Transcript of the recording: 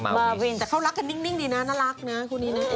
เมอร์วินแต่เขารักกันนิ่งดีน่ะน่ารักนะคนี้ดู